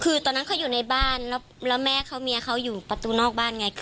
คือตอนนั้นเขาอยู่ในบ้านแล้วแม่เขาเมียเขาอยู่ประตูนอกบ้านไง